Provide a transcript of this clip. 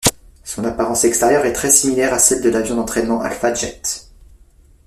Son apparence extérieure est très similaire à celle de l'avion d'entraînement Alpha Jet.